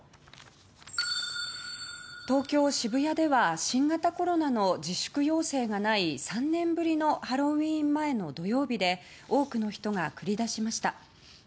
東京・渋谷では新型コロナの自粛要請がない３年ぶりのハロウィーン前の土曜日で多くの人が繰り出しました。